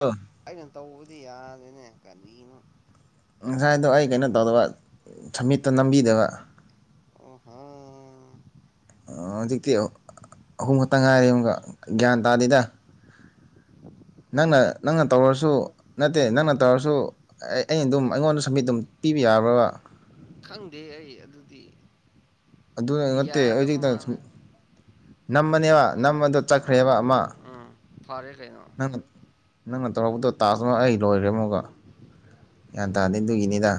ꯑ ꯑꯩꯅ ꯇꯧꯕꯗꯤ ꯌꯥꯔꯦꯅꯦ ꯀꯔꯤꯅꯣ ꯉꯁꯥꯏ ꯑꯗꯣ ꯑꯩ ꯀꯩꯅꯣ ꯇꯧꯗꯕ ꯁꯝꯃꯤꯠꯇꯣ ꯅꯝꯕꯤꯗꯕ ꯑꯣ ꯍꯥ ꯍꯧꯖꯤꯛꯇꯤ ꯑꯍꯨꯝ ꯈꯛꯇꯪ ꯉꯥꯏꯔꯦ ꯑꯃꯨꯛꯀ ꯒ꯭ꯌꯥꯟ ꯇꯥꯗꯦꯗ ꯅꯪꯅ ꯅꯪꯅ ꯇꯥꯎꯍꯦ ꯇꯧꯔꯁꯨ ꯀꯔꯤꯅꯣ ꯅꯠꯇꯦ ꯅꯪꯅ ꯇꯧꯔꯁꯨ ꯑꯩ ꯑꯩ ꯑꯗꯨꯝ ꯑꯩꯉꯣꯟꯗ ꯆꯕꯤꯠ ꯑꯗꯨꯝ ꯄꯤꯕ ꯌꯥꯕ꯭ꯔꯕ ꯈꯪꯗꯦ ꯑꯩ ꯑꯗꯨꯗꯤ ꯑꯗꯨꯗ ꯅꯠꯇꯦ ꯌꯥꯗꯕ ꯍꯧꯖꯤꯛꯇꯪ ꯁꯨꯝ ꯃꯥꯜꯂꯦ ꯅꯃꯅꯦꯕ ꯅꯝꯕꯗꯣ ꯑꯥ ꯆꯠꯈ꯭ꯔꯦꯕ ꯑꯃ ꯎꯝ ꯐꯔꯦ ꯀꯩꯅꯣ ꯅꯪ ꯅꯪꯅ ꯇꯧꯔꯛꯄꯗꯣ ꯇꯥꯅ ꯑꯩ ꯂꯣꯏꯈ꯭ꯔꯦꯃꯨꯛꯒ ꯒ꯭ꯌꯥꯟ ꯇꯥꯗꯦ ꯑꯗꯨꯒꯤꯅꯤꯗ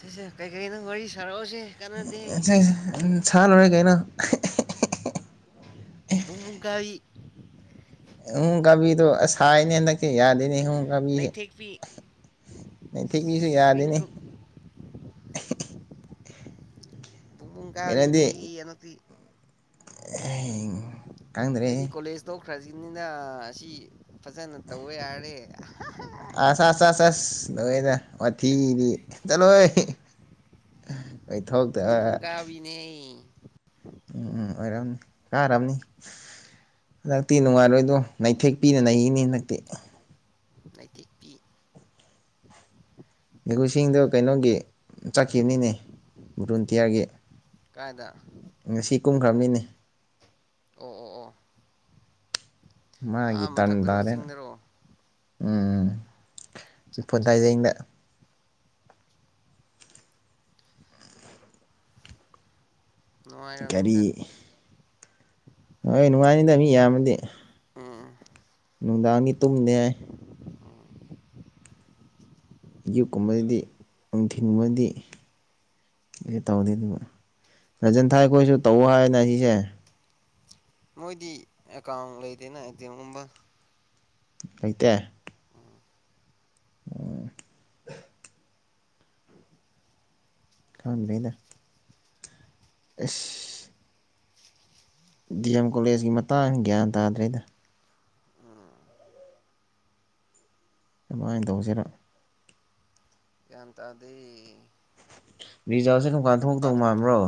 ꯁꯤꯁꯦ ꯀꯩꯀꯩ ꯅꯪ ꯋꯥꯔꯤ ꯁꯥꯔꯛꯑꯣꯁꯦ ꯀꯥꯟꯅꯗꯦ [unintelligible] ꯁꯥ ꯂꯣꯏꯨꯔꯦ ꯀꯩꯅ ꯃ ꯀꯥꯏ ꯎꯝ ꯎꯝ ꯀꯕꯤꯣ ꯑꯁꯥꯅꯦ ꯂꯛ ꯌꯥꯗꯅꯤꯨ ꯕꯤꯁꯦ ꯅꯩꯊꯦꯛꯄꯤ ꯅ ꯊꯤꯕꯤꯁꯨ ꯁ꯭ꯋꯤꯡ ꯌꯥꯗꯦꯅꯦ ꯀꯨꯛ ꯕꯨꯡ ꯀꯥꯔꯤꯅꯦ ꯀꯩꯅꯣꯗꯤ ꯑꯩꯅꯛꯇꯤ ꯑꯩꯗꯤ ꯈꯪꯗ꯭ꯔꯦ ꯀꯣꯂꯦꯖ ꯇ ꯈ꯭ꯔꯖꯤꯅꯤꯅ ꯑꯁꯤ ꯐꯖꯅ ꯇꯧꯕ ꯌꯥꯔꯦ ꯂꯣꯏꯅ ꯋꯥꯊꯤꯗꯤ ꯆꯠꯂꯣꯏ ꯨꯡꯕꯨꯡ ꯀꯥꯕꯤꯅꯦ ꯎꯝ ꯎꯝ ꯑꯣꯏꯔꯝꯅꯤ ꯀꯥꯔꯝꯅꯤ ꯍꯟꯗꯛꯇꯤ ꯅꯨꯡꯉꯥꯏꯔꯣꯏꯗꯣ ꯅꯩꯊꯦꯛꯄꯤꯅ ꯅꯔꯤꯅꯤ ꯍꯟꯗꯛꯇꯤ ꯂꯩꯇꯦꯛꯄꯤ ꯒꯨꯁꯤꯡꯗꯣ ꯀꯩꯅꯣꯒꯤ ꯆꯠꯈꯤꯕꯅꯤꯅꯦ ꯕꯨꯟꯇꯤꯌꯥꯔꯒꯤ ꯀꯥꯏꯗ ꯀꯨꯝꯈ꯭ꯔ ꯃꯤꯅꯤ ꯑꯣ ꯑꯣ ꯑꯣ ꯃꯥꯒꯤ ꯑꯥ ꯃꯊꯛꯇꯔꯣ ꯇꯟꯗꯥꯔꯦꯅ ꯆꯤꯡꯗꯔꯣ ꯎꯝ ꯆꯠ ꯏꯄꯣꯠ ꯆꯥ ꯇꯥꯏꯖꯦꯡꯗ ꯀꯔꯤ ꯅꯅꯨꯡꯉꯥꯏꯔꯗ ꯍꯣꯏ ꯅꯨꯡꯉꯥꯏꯅꯤꯗ ꯃꯤ ꯏꯃꯗꯤ ꯎꯝ ꯅꯨꯡꯗꯥꯥꯡꯅꯤ ꯇꯨꯝꯗꯦ ꯑꯌꯨꯛꯀꯨꯝꯕꯗꯤ ꯅꯨꯡꯊꯤꯤꯟꯒꯨꯝꯕꯗꯤ ꯇꯧꯗꯦ ꯑꯗꯨꯒ ꯔꯟꯖꯟ ꯊꯥꯏ ꯑꯩꯈꯣꯏꯁꯨ ꯇꯧ ꯍꯥꯏꯅ ꯁꯤꯁꯦ ꯃꯣꯏꯗꯤ ꯑꯦꯀꯥꯎꯟ ꯂꯩꯗꯦꯅꯒꯨꯝꯕ ꯑꯇ ꯎꯝ ꯀꯝ ꯂꯩꯗ ꯑꯦꯁ ꯗꯤ ꯑꯦꯝ ꯀꯣꯂꯦꯖꯀꯤ ꯃꯇꯥꯡ ꯒ꯭ꯌꯥꯟ ꯇꯥꯗ꯭ꯔꯦꯗ ꯎꯝ ꯑꯗꯨꯃꯥꯏꯅ ꯇꯧꯁꯤꯔ ꯑꯦꯇꯗꯤ ꯃꯤ ꯌꯥꯦ ꯀ ꯀꯥꯟ ꯊꯣꯛꯇꯧ ꯃꯥꯟꯕ꯭ꯔꯣ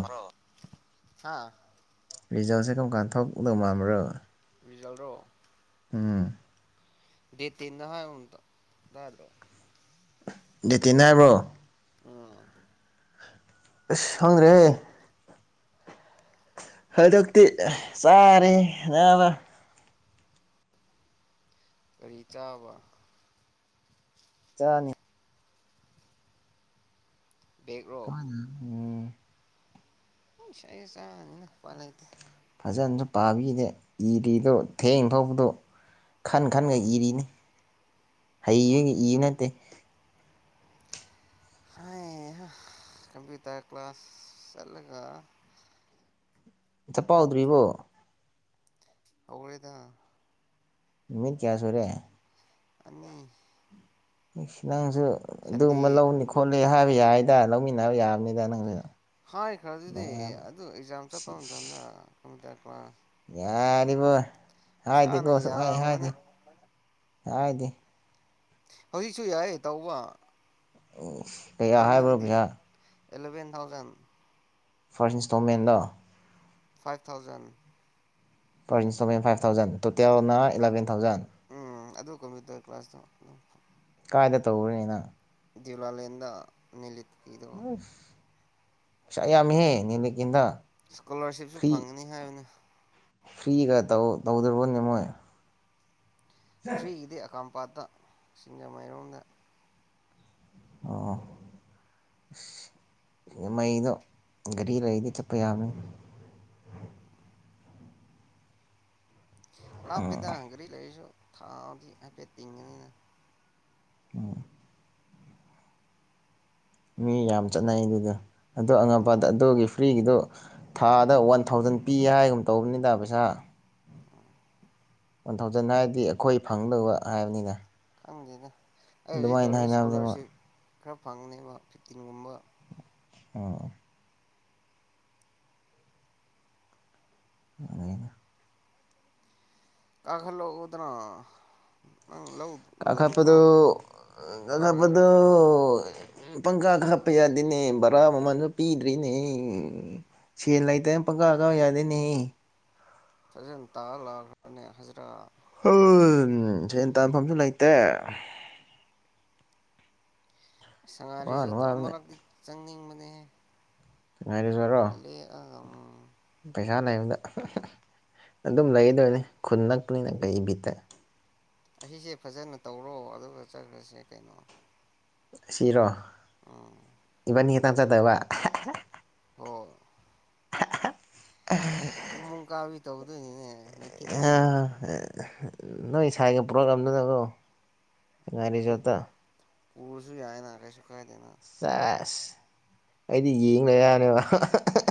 [unintelligible] ꯔꯤꯖꯥꯎꯁꯦ ꯀꯝ ꯀꯥꯟꯊꯣꯛꯗꯕ ꯑꯃ꯭ꯔꯣ ꯔꯤꯖꯜꯗꯣ ꯗꯦꯇꯅ ꯍꯥꯏ ꯍꯨꯇꯗ ꯃꯦꯠ ꯇꯤꯟꯅꯤ ꯍꯥꯏꯕ꯭ꯔꯣ ꯑ ꯍꯪꯉ꯭ꯔꯦ ꯍꯟꯗꯛꯇꯤ ꯆꯥꯔꯦꯅꯕ ꯀꯔꯤ ꯆꯥꯕ ꯆꯥꯅꯤ ꯕꯦꯛꯔꯣ ꯁꯃ ꯁ ꯆ ꯐꯥꯂ ꯐꯖꯅꯁꯨ ꯄꯥꯕꯤꯗꯦ ꯏꯔꯤꯗꯣ ꯊꯦꯡ ꯐꯥꯎꯕꯗꯣ ꯈꯟ ꯈꯟꯒ ꯎꯝ ꯏꯔꯤꯅꯤ ꯍ ꯎꯝ ꯌꯦ ꯅꯠꯇꯦ ꯍꯥꯏ ꯀꯕꯤꯇꯥ ꯀ ꯀ꯭ꯂꯥꯁ ꯆꯠꯂꯒ ꯆꯄ ꯍꯥꯎꯗ꯭ꯔꯤꯕꯣ ꯍꯧꯂꯤꯦꯗꯥ ꯅꯨꯃꯤꯠ ꯀꯌꯥ ꯁꯨꯔꯦ ꯑꯅꯤ ꯁꯂ ꯁꯟꯗꯦ ꯑꯗꯨꯃ ꯂꯧꯅꯤ ꯈꯣ ꯍꯥꯏ ꯑꯩꯈꯣꯏ ꯌꯥꯏꯗ ꯂꯧꯃꯤꯟꯅꯕ ꯌꯥꯕꯅꯤꯗ ꯅꯪꯁꯨ ꯍꯥꯏ ꯈ꯭ꯔ ꯑꯗꯨꯗꯤ ꯑꯗꯨ ꯑꯦꯛꯖꯥꯝ ꯆꯠꯄ ꯃꯇꯝꯗ ꯀ ꯌꯥꯅꯤꯔꯤꯕꯣ ꯍꯥꯏꯥꯏꯗꯤ ꯄꯩꯁꯥꯅ ꯀꯣꯁ ꯍꯥꯏ ꯌꯥꯝꯕꯅ ꯍꯥꯏꯥꯏꯗꯤ ꯍꯥꯏꯗꯤ ꯍꯧꯖꯤꯛꯁꯨ ꯌꯥꯏ ꯇꯧꯕ ꯑꯣ ꯀꯌꯥ ꯍꯥꯏꯕ꯭ꯔꯣ ꯇꯧꯅꯤꯡꯉꯗꯤ ꯄꯩꯁꯥ ꯑꯦꯂꯚꯦꯟ ꯊꯥꯎꯖꯟ ꯐꯥꯔꯁ ꯏꯟꯁꯇꯣꯜꯃꯦꯟꯗ ꯐꯥꯏꯚ ꯊꯥꯎꯖꯟ ꯐ ꯁꯦꯟ ꯐꯥꯏꯚ ꯊꯥꯎꯖꯟ ꯇꯣꯇꯦꯜꯅ ꯏꯂꯦꯚꯦꯟ ꯊꯥꯎꯖꯟ ꯎꯝ ꯑꯗꯨ ꯀꯝꯄ꯭ꯌꯨꯇꯔ ꯀ꯭ꯂꯥꯁꯇ ꯀꯥꯏꯗ ꯇꯧꯅꯤꯅ ꯦꯂꯂꯗ ꯅꯤꯂ ꯑ ꯁꯌꯥ ꯑꯃꯍꯦ ꯅꯅꯤꯂ ꯀꯗ ꯏꯁꯀꯣꯂꯥꯔꯁꯤꯞꯁꯨ ꯐꯪꯒꯅꯤ ꯍꯥꯏꯕꯅꯦ ꯐꯔꯤꯒ ꯇ ꯇꯧꯗꯔꯕꯅꯤꯃꯣꯏ ꯐꯔꯤ ꯏꯦ ꯑꯀꯥꯎꯝ ꯄꯥꯗ ꯁꯤꯁꯤꯡꯒꯥꯥ ꯃꯩꯔꯣꯗ ꯑꯣ ꯑ ꯃꯩꯗꯣ ꯒꯥꯔꯤ ꯂꯩꯗꯤ ꯆꯠꯄ ꯌꯥꯅꯤ ꯂꯥꯛ ꯎꯝ ꯄꯤꯗ ꯍꯪꯒꯔꯤ ꯂꯩꯁꯣ ꯊꯥꯗꯤ ꯄꯦ ꯇꯤꯡꯒꯅꯤꯅ ꯑ ꯃꯤ ꯌꯥꯝ ꯆꯠꯅꯩ ꯑꯗꯨꯗ ꯑꯗꯣ ꯑꯉꯝꯄꯥꯗ ꯑꯗꯨꯒꯤ ꯐ꯭ꯔꯤꯒꯤꯗꯣ ꯊꯥꯗ ꯋꯥꯟ ꯊꯥꯎꯖꯟ ꯄꯤ ꯍꯥꯏꯒꯨꯝ ꯇꯧꯕꯅꯤꯗ ꯄꯩꯁꯥ ꯋꯥꯟ ꯊꯥꯎꯖꯟ ꯍꯥꯏꯔꯗꯤ ꯑꯩꯈꯣꯏ ꯐꯪꯗꯕ ꯍꯥꯏꯕꯅꯤꯅ ꯍꯪꯒꯦꯅꯦ ꯑꯩ ꯍꯧꯖꯤꯛ ꯑꯗꯨꯃꯥꯏꯅ ꯇꯧꯔꯤꯁꯤꯦ ꯍꯥꯏꯅꯕꯅꯦ ꯃꯣꯏ ꯏꯁꯀꯣꯂꯥꯔꯁꯤꯞ ꯈꯔ ꯐꯪꯅꯦꯕ ꯐꯤꯐꯇꯤꯟꯒꯨꯝꯕ ꯑꯣ ꯑꯗꯨꯩꯅ ꯑꯈꯂꯣ ꯑꯣꯗꯔ ꯀꯥꯥꯄꯗꯨ ꯀꯥꯔꯣꯏꯗ꯭ꯔꯣ ꯀꯥꯄꯗꯨ ꯎ ꯄꯪꯀꯥ ꯀ ꯍꯥꯞꯄ ꯌꯥꯗꯦꯅꯦ ꯕꯔꯥ ꯃꯃꯜꯁꯨ ꯄꯤꯗ꯭ꯔꯤꯅꯦ ꯁꯦꯜ ꯂꯩꯇꯅ ꯄꯪꯀꯥ ꯀꯥ ꯌꯥꯗꯦꯅꯦ ꯁꯖꯦꯟ ꯇꯥ ꯂꯥꯛꯈ꯭ꯔꯅꯦ ꯍꯖꯤꯔꯥ ꯍ ꯁꯦꯟ ꯇꯥꯟꯐꯝꯁꯨ ꯂꯩꯇꯦ ꯁꯉꯥꯏ ꯋꯥꯅ ꯔꯤꯖꯣꯔꯠꯇꯣ ꯋꯥꯕꯅꯦ ꯑꯃꯂꯛꯇꯤ ꯆꯪꯅꯤꯡꯕ ꯑ ꯉꯥꯏꯔꯤꯖꯔꯣ ꯎꯝ ꯄꯩꯁꯥ ꯂꯩꯕꯗ ꯑꯗꯨꯝ ꯂꯩꯒꯗꯣꯏꯅꯤ ꯈꯨꯟ ꯅꯛꯄꯅꯤꯅ ꯀꯩꯕꯤꯠꯇ ꯑꯩꯁꯦ ꯐꯖꯅ ꯇꯧꯔꯣ ꯑꯗꯨꯒ ꯆꯠꯈ꯭ꯔꯁꯦ ꯀꯩꯅꯣ ꯁꯤꯔꯣ ꯎꯝ ꯄꯅꯤ ꯇꯆꯥ ꯗꯕꯥ ꯑꯣꯝ ꯃ ꯀꯥꯕꯤ ꯇꯧꯗꯨꯅꯤꯅꯦ ꯑ ꯅꯣꯏ ꯏꯁꯥꯏꯒꯤ ꯄ꯭ꯔꯣꯒꯝꯗꯨꯅꯕꯣ ꯉꯅꯤ ꯆꯠꯇ ꯎꯁꯨ ꯌꯥꯏꯅꯅꯥ ꯀꯦꯁꯨ ꯆꯁ ꯑꯩꯗꯤ ꯌꯦꯡꯅ ꯌꯥꯅꯦꯕ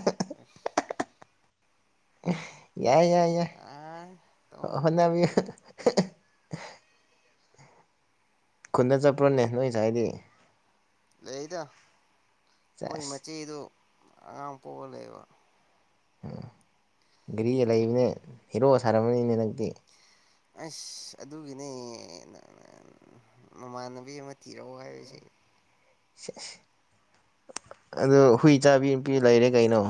[inaudible] ꯑ ꯌꯥꯏ ꯌꯥꯏ ꯌꯥꯏ ꯑꯥꯏ ꯇꯧꯅꯨ ꯍꯅꯕꯤ ꯈꯨꯟꯗ ꯆꯠꯄ꯭ꯔꯣꯅꯦ ꯅꯣꯏꯁ ꯍꯥꯏꯗꯤ ꯂꯩꯗ ꯃꯣꯏ ꯆꯥꯁ ꯃꯆꯦꯗꯨ ꯑ ꯄ ꯂꯩꯕ ꯑꯝ ꯒꯔꯤ ꯑꯗꯨꯒꯤ ꯂꯩꯕꯅꯦ ꯍꯤꯔꯣ ꯁꯥꯔꯔꯕꯅꯤꯅꯦ ꯅꯪꯛꯇꯤ ꯑꯁ ꯑꯗꯨꯒꯤꯅꯦ ꯃꯃꯥꯟꯅꯕꯤ ꯑꯃ ꯊꯤꯔꯛꯎ ꯍꯥꯏꯕꯁꯦ ꯑꯗꯨꯣ ꯍꯨꯏ ꯆꯥꯕꯤꯄꯤ ꯂꯩꯔꯦ ꯀꯩꯅꯣ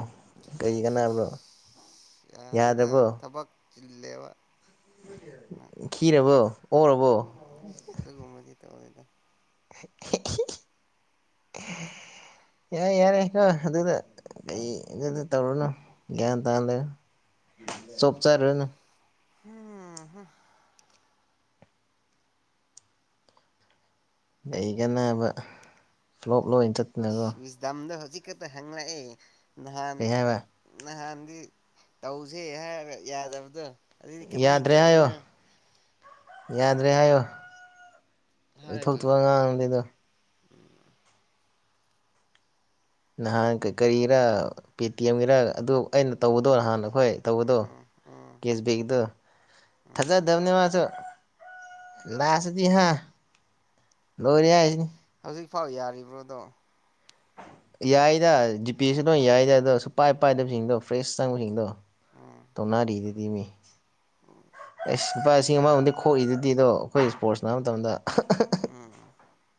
ꯀꯔꯤ ꯑꯁ ꯀꯅꯥꯕ꯭ꯔꯣ ꯌꯥꯗ꯭ꯔꯕꯣ ꯂꯦꯕ ꯈꯔꯔꯕꯣ ꯑꯣꯔꯕꯔꯕꯣ ꯑ ꯌꯥꯔ ꯌꯥꯔꯦ ꯀꯣ ꯑꯗꯨꯗ ꯀꯩ ꯑꯗꯨꯗ ꯇꯧꯔꯨꯅꯨ ꯒ꯭ꯌꯥꯟ ꯇꯥꯍꯜꯂ ꯆꯣꯞꯆꯔꯨꯅꯨ ꯍꯝ ꯂꯩꯒꯅꯕ ꯁ꯭ꯂꯣꯞ ꯂꯣꯏ ꯆꯠꯇꯅꯀꯣ ꯁꯁ ꯗꯝꯗ ꯍꯧꯖꯤ ꯗ ꯍꯦꯡꯅꯑ ꯅꯍꯥꯟ ꯀꯩ ꯍꯥꯏꯕ ꯅꯍꯥꯟ ꯇꯧꯁꯦ ꯍꯥꯏ ꯌꯥꯗꯕꯗꯣ ꯑꯗꯨ ꯀ ꯌꯥꯗ꯭ꯔꯦ ꯍꯥꯏꯌꯣ ꯃꯥꯥꯏꯇꯧꯕꯟꯅ ꯌꯥꯗ꯭ꯔꯦ ꯍꯥꯏꯌꯣ ꯍꯥꯏꯗꯨꯗꯤ ꯑꯣꯏꯊꯣꯛꯇꯒ ꯉꯥꯡꯅꯤꯗ ꯅꯍꯥꯟ ꯀꯔꯤꯔ ꯄꯦ ꯇꯤ ꯑꯦꯝꯒꯤꯔ ꯑꯗꯨ ꯑꯩꯅ ꯇꯧꯕꯗꯣ ꯅꯍꯥꯟ ꯍꯈꯣꯏ ꯇꯧꯕꯗꯣ ꯎꯝ ꯎꯝ ꯀꯦꯁꯕꯦꯛꯗꯣ ꯎꯝ ꯊꯖ ꯙꯅꯤꯃꯁꯨ ꯂꯥꯁꯗꯤ ꯍꯥꯥ ꯂꯔꯤ ꯌꯥꯁꯤꯅꯤ ꯍꯧꯖꯤꯛꯐꯥꯎ ꯌꯥꯔꯤꯕ꯭ꯔꯣꯗꯣ ꯌꯥꯏꯗ ꯖꯤꯄꯦꯁꯨ ꯂꯣꯏ ꯌꯥꯏꯗ ꯑꯗꯣ ꯁꯨꯄꯥꯏ ꯄꯥꯏꯗꯕꯁꯤꯡꯗꯣ ꯐ꯭ꯔꯦꯁ ꯆꯪꯕꯁꯤꯡꯗꯣ ꯎꯝ ꯊꯣꯉꯥ ꯔꯤ ꯏꯃꯤ ꯑꯁ ꯂꯨꯄꯥ ꯂꯤꯁꯤꯡ ꯑꯃꯃꯝꯗꯤ ꯈꯣꯛꯏꯗꯨꯗꯤ ꯑꯗꯣ ꯑꯩꯈꯣꯏ ꯁ ꯏꯁꯄꯣꯔꯠꯁ ꯅꯥꯕ ꯃꯇꯝꯗ [inaudible] ꯎꯝ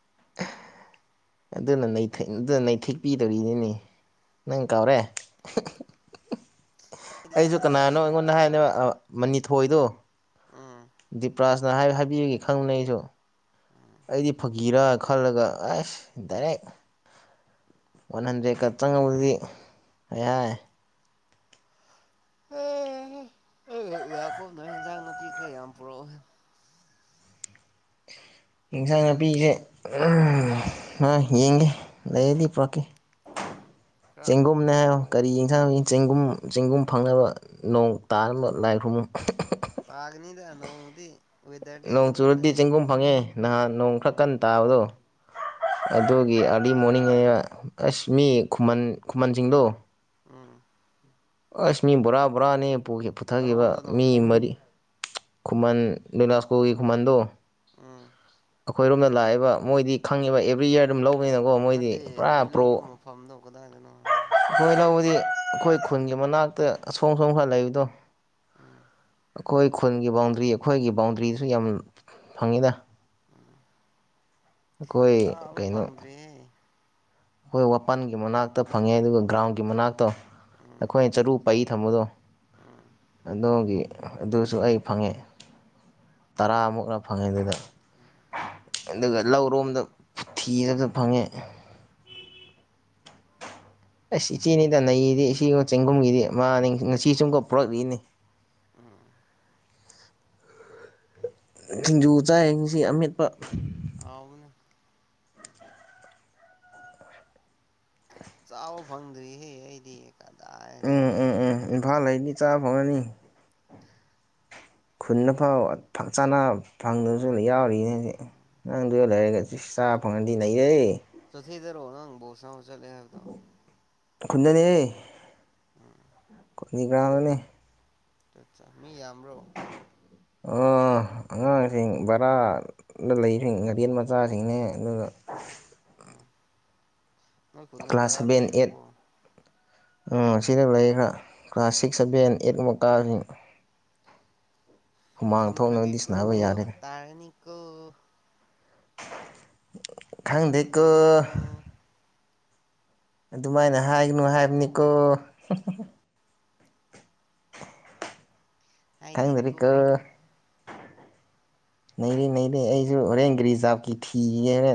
[inaudible] ꯑꯗꯨꯅ ꯑꯗꯨꯅ ꯅꯩꯊꯦꯛꯄꯤꯗꯣꯔꯤꯅꯤꯅꯤ ꯅꯪ ꯀꯥꯎꯔꯦ ꯑꯩꯁꯨ ꯌꯥꯗꯦꯗ ꯀꯅꯥꯅꯣ ꯑꯩꯉꯣꯟꯗ ꯍꯥꯏꯅꯦ ꯃꯅꯤꯊꯣꯏꯗꯣ ꯎꯝ ꯗꯤꯄ꯭ꯔꯥꯁ ꯐꯖꯅ ꯍꯥꯏ ꯍꯥꯏꯕꯤꯔꯒꯦ ꯈꯪꯕꯅ ꯑꯩꯁꯨ ꯑꯩꯗꯤ ꯐꯀꯤꯔꯥ ꯈꯜꯂꯒ ꯑꯁ ꯗꯥꯏꯔꯦꯛ ꯋꯥꯟ ꯍꯟꯗ꯭ꯔꯦꯗꯀ ꯆꯪꯉꯕꯗꯤ ꯑꯩ ꯍꯥꯏ ꯑꯦ ꯏꯥꯛ ꯄꯣꯅ ꯏꯟꯖꯥꯡ ꯅꯥꯄꯤ ꯈꯔ ꯌꯥꯝ ꯄꯨꯔꯛꯑꯣ ꯏꯟꯁꯥꯡ ꯅꯥꯄꯤꯁꯦꯣꯏ ꯌꯦꯡꯒꯦ ꯂꯩꯔꯗꯤ ꯄꯔꯛꯀꯦ ꯈꯔ ꯆꯦꯡꯒꯨꯝꯅ ꯀꯔꯤ ꯑꯍꯥꯎꯕꯒꯨꯝꯕꯀꯣ ꯌꯦꯟꯁꯥꯡ ꯆꯦꯡꯒꯨꯝ ꯆꯤꯡꯒꯨꯝ ꯐꯪꯅꯕ ꯅꯣꯡ ꯇꯥꯅꯕ ꯂꯥꯏ ꯈꯨꯔꯨꯝ ꯇꯥꯒꯅꯤꯗꯅꯣꯡꯗꯤ ꯅꯣꯡ ꯆꯨꯔꯗꯤ ꯆꯦꯡꯒꯨꯝ ꯐꯪꯉꯦ ꯅꯍꯥꯟ ꯅꯣꯡ ꯈꯔ ꯎꯝ ꯀꯟꯅ ꯇꯥꯕꯗꯣ ꯎꯝ ꯑꯗꯨꯒꯤ ꯑꯗꯨ ꯃꯅꯤꯡ ꯑꯁ ꯃꯤ ꯈꯨꯟ ꯈꯨꯃꯟ ꯁꯤꯡꯗꯣ ꯎꯝ ꯑꯁ ꯃꯤꯕꯣꯔꯥ ꯕꯣꯔꯥꯅꯦ ꯄꯨꯊꯈꯤꯕ ꯀꯔꯣꯝꯗꯅꯣ ꯃꯤ ꯃꯔꯤ ꯈꯨꯃꯟ ꯂꯥꯁꯀꯣꯒꯤ ꯈꯨꯃꯟꯗꯣ ꯎꯝ ꯑꯩꯈꯣꯏ ꯔꯣꯝꯗ ꯂꯥꯛꯏꯦꯕ ꯃꯣꯏꯗꯤ ꯈꯪꯉꯤꯕ ꯑꯦꯕ꯭ꯔꯤ ꯏꯌꯥꯔ ꯑꯗꯨꯝ ꯂꯧ ꯅꯠꯇꯦ ꯅꯣꯏ ꯂꯧꯕ ꯃꯐꯝꯗꯣ ꯀꯗꯥꯏꯗꯅꯣ ꯑꯩꯈꯣꯏ ꯂꯧꯕꯗꯤ ꯑꯩꯈꯣꯏ ꯈꯨꯟꯒꯤ ꯃꯅꯥꯛꯇ ꯑꯁꯣꯝ ꯁꯣꯝ ꯈꯔ ꯂꯩꯕꯗꯣ ꯎꯝ ꯑꯩꯈꯣꯏ ꯈꯨꯜꯒꯤ ꯕꯥꯎꯟꯗ꯭ꯔꯤ ꯑꯩꯈꯣꯏꯒꯤ ꯕꯥꯎꯟꯗ꯭ꯔꯤꯁꯨ ꯌꯥꯝ ꯐꯪꯉꯤꯅ ꯑꯩꯈꯣꯏ ꯆꯥꯕ ꯀꯩꯅꯣ ꯐꯪꯗ꯭ꯔꯤꯍꯦ ꯑꯩꯈꯣꯏ ꯋꯥꯄꯜꯒꯤ ꯃꯅꯥꯛꯇ ꯐꯪꯉꯦ ꯑꯗꯨꯒ ꯒ꯭ꯔꯥꯎꯟꯒꯤ ꯃꯅꯥꯛꯇꯣ ꯎꯝ ꯑꯩꯈꯣꯏ ꯆꯔꯨꯛ ꯄꯩ ꯊꯝꯃꯗꯣ ꯎꯝ ꯑꯗ ꯍꯣꯡꯒꯦ ꯑꯗꯨꯁꯨ ꯑꯩ ꯐꯪꯉꯦ ꯇꯔꯥꯃꯨꯛꯅ ꯐꯪꯉꯦ ꯑꯗꯨꯗ ꯑꯗꯨꯒ ꯂꯧꯔꯣꯝꯗ ꯊꯤꯗꯗ ꯐꯪꯉꯦ ꯑꯁ ꯏꯆꯦꯅꯤ ꯇꯅꯩꯗꯤ ꯏꯆꯦꯒ ꯆꯦꯡꯒꯨꯝꯒꯤꯗꯤ ꯃꯥꯅꯤ ꯉꯁꯤ ꯆꯨꯝꯒ ꯄꯨꯔꯛꯂꯤꯅꯤ ꯎꯝ ꯁꯤꯡꯖꯨ ꯆꯥꯏꯁꯤ ꯑꯃꯦꯠꯄ ꯑꯥꯎꯒꯅꯦ ꯆꯥꯎꯕ ꯐꯪꯗ꯭ꯔꯤꯍꯦ ꯑꯩꯗꯤ ꯎꯝ ꯀꯗꯥꯏꯗꯒꯤ ꯎꯝ ꯎꯝ ꯏꯝꯐꯥꯜ ꯂꯩꯅꯤ ꯆꯥꯕ ꯐꯣꯡꯉꯅꯤ ꯈꯨꯟꯅ ꯐꯥꯎ ꯐ ꯆꯥꯅ ꯐꯪꯗꯁꯨ ꯌꯥꯎꯔꯤꯅꯦ ꯅꯪꯗꯨꯗ ꯂꯩꯔꯒ ꯆꯥ ꯐꯪꯉꯗꯤ ꯂꯩꯔꯦ ꯆꯊ ꯏꯗꯔꯣ ꯅꯪꯕꯣꯁ ꯆꯂꯦ ꯍꯥꯏꯕꯗ ꯈꯨꯨꯟꯗꯅꯤ ꯎꯝ ꯑꯩꯈꯅꯤꯒ꯭ꯔꯥꯡꯗꯅꯦ [unintelligible] ꯃꯤ ꯌꯥꯝ꯭ꯔꯣ ꯑꯉꯥꯡꯁꯤꯡ ꯚꯔꯥꯗ ꯂꯩꯕꯁꯤꯡ ꯒꯥꯗꯦꯟ ꯃꯆꯥꯁꯤꯡꯅꯦ ꯑꯗꯨꯒ ꯎꯝ ꯅꯣꯏ ꯀꯨꯅ ꯐꯔ ꯂꯩꯔꯕꯣ ꯎꯝ ꯁꯤꯗ ꯂꯩ ꯈꯔ ꯀ꯭ꯂꯥꯁ ꯁꯤꯛꯁ ꯁꯚꯦꯟ ꯑꯩꯠꯃꯨꯛ ꯀꯥꯔꯤ ꯊꯝꯈ꯭ꯔꯒꯦ ꯀꯣ ꯇꯥꯔꯅꯤꯀꯣ ꯑ ꯈꯪꯗꯀ ꯌꯦꯡꯉꯣ ꯑꯗꯨꯃꯥꯏꯅ ꯍꯥꯏꯒꯅꯨ ꯍꯥꯏꯕꯅꯤꯀꯣ ꯍꯥꯏꯗꯤ ꯀꯨ ꯂꯩꯔꯤꯦ ꯂꯩꯔꯤ ꯑꯩꯁꯨ ꯍꯣꯔꯦꯟ ꯔꯤꯖꯥꯕꯀꯤ ꯊꯤꯒꯦ ꯍꯣꯔꯦꯟ